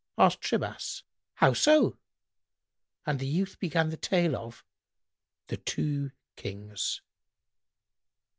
Asked Shimas, "How so?" and the youth began the tale of The Two Kings.